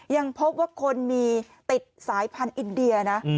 ยังพบว่าคนมีติดสายพันธุ์อินเดียนะ